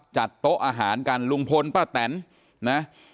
โต๊ะอาหารกันลุงพลป้าแตนนะ